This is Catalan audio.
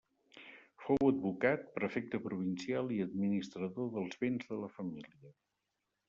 Fou advocat, prefecte provincial i administrador dels béns de la família.